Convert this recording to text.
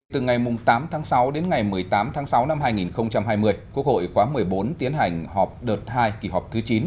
từ ngày tám tháng sáu đến ngày một mươi tám tháng sáu năm hai nghìn hai mươi quốc hội khóa một mươi bốn tiến hành họp đợt hai kỳ họp thứ chín